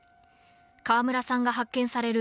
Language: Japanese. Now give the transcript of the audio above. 川村さんが発見される